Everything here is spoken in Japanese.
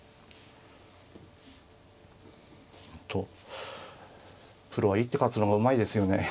本当プロは一手勝つのがうまいですよね。